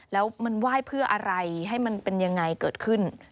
แล้วมันไหว้เพื่ออะไรให้มันเป็นยังไงเกิดขึ้น